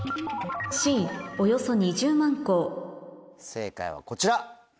正解はこちら。